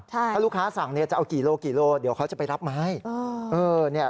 ถ้ารูคะจะเอากิโลกิโลเดี๋ยวเค้าจะไปรับมาให้